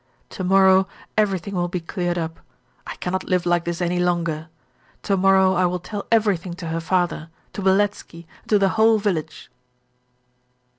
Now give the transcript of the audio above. To morrow everything will be cleared up. I cannot live like this any longer; to morrow I will tell everything to her father, to Beletski, and to the whole village.'